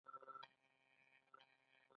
زما لاس بند دی؛ لږ پور راکړه.